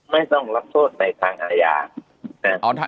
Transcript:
ไม่ต้องรับโทษในทางอาญา